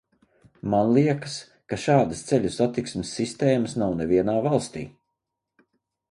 Man liekas, ka šādas ceļu satiksmes sistēmas nav nevienā valstī.